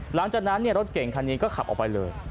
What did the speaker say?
หลังจากนั้นรถเก่งคันนี้ก็ขับออกไปเลย